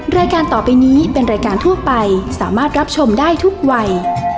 รายการต่อไปนี้เป็นรายการทั่วไปสามารถรับชมได้ทุกวัย